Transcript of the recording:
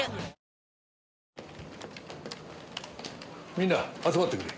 みんな集まってくれ。